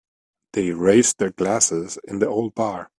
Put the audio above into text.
They raised their glasses in the old bar.